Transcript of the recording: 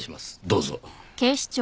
どうぞ。